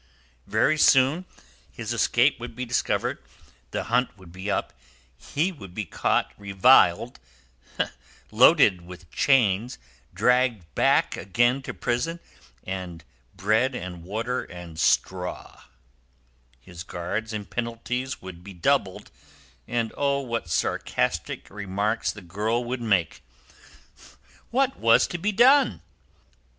Very soon his escape would be discovered, the hunt would be up, he would be caught, reviled, loaded with chains, dragged back again to prison and bread and water and straw; his guards and penalties would be doubled; and O, what sarcastic remarks the girl would make! What was to be done?